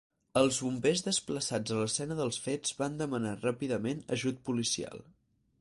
Els bombers desplaçats a l'escena dels fets van demanar ràpidament ajut policial.